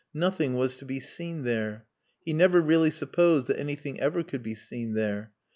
Nothing was to be seen there. He never really supposed that anything ever could be seen there.